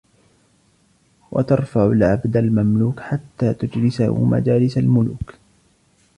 وَتَرْفَعُ الْعَبْدَ الْمَمْلُوكَ حَتَّى تُجْلِسَهُ مَجَالِسَ الْمُلُوكِ